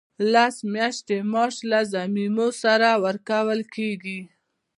لس میاشتې معاش له ضمایمو سره ورکول کیږي.